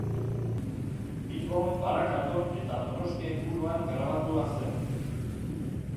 Bilbon, Barakaldon eta Donostia inguruan grabatua zen.